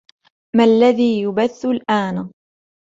ما الذي يُبَثُّ الآن ؟